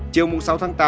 chiều sáu tháng tám